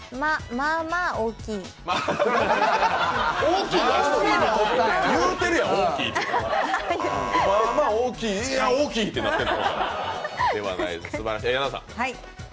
まあまあ大きい、いやあ大きいってなってる。